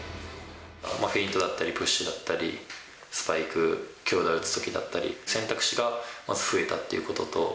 フェイントだったり、プッシュだったり、スパイク、強打打つときだったり、選択肢がまず増えたということと。